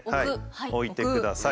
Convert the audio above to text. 置いてください。